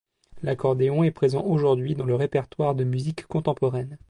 L'accordéon est présent aujourd'hui dans le répertoire de musique contemporaine.